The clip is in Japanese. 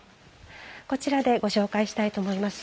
こちらでご紹介したいと思います。